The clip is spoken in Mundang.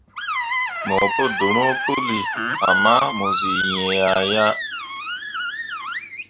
Mo pu dorõo puli ama mo zii iŋya yah.